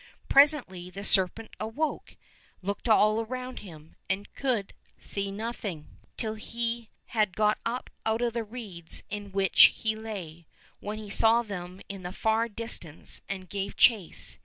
Presently the serpent awoke, looked all round him, and could see nothing till he had got up out of the reeds in which he lay, when he saw them in the far distance, and gave chase.